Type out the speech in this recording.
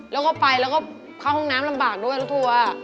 แล้วก็ไปแล้วก็เข้าห้องน้ำลำบากด้วยรถทัวร์